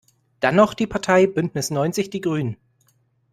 Dann noch die Partei Bündnis neunzig die Grünen.